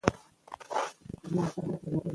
د انسان کمال یې نه وو پېژندلی